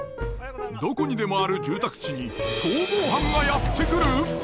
どこにでもある住宅地に逃亡犯がやって来る！？